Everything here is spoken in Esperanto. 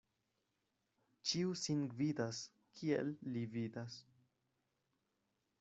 Ĉiu sin gvidas, kiel li vidas.